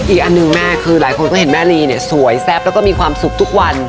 อีกอันหนึ่งแม่คือหลายคนก็เห็นแม่ลีเนี่ยสวยแซ่บแล้วก็มีความสุขทุกวัน